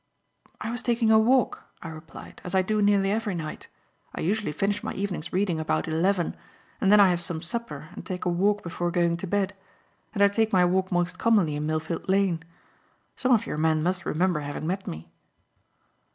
"I was taking a walk," I replied, "as I do nearly every night. I usually finish my evening's reading about eleven, and then I have some supper and take a walk before going to bed, and I take my walk most commonly in Millfield Lane. Some of your men must remember having met me."